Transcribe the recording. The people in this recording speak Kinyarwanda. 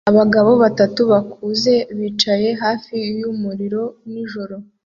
Abagabo batatu bakuze bicaye hafi yumuriro nijoro